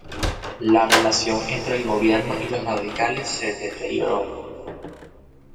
La relación entre el gobierno y los radicales se deterioró.